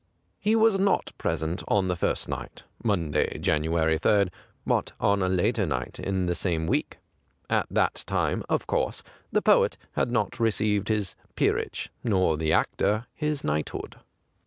He was not present on the first night (Monday, January 3), but on a later night in the same week. At that time, of course, the poet had not received his peerage, nor the actor his knighthood.